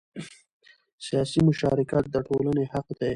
سیاسي مشارکت د ټولنې حق دی